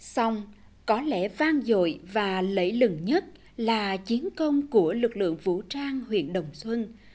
xong có lẽ vang dội và lẫy lừng nhất là chiến công của lực lượng vũ trang huyện đồng xuân